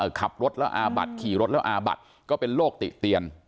ขับรถแล้วอาบัดขี่รถแล้วอาบัดก็เป็นโรคติเตียน